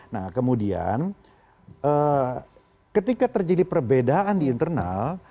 nah kemudian ketika terjadi perbedaan di internal